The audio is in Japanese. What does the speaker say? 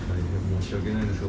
申し訳ないです。